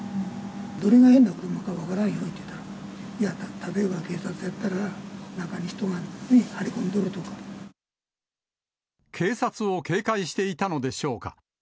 どれが変な車か分からんよって言ったら、いや、例えば警察やったら、中に人がいて、張り込んでる警察を警戒していたのでしょうか。